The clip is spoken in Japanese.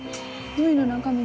海の中道。